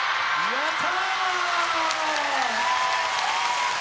やった！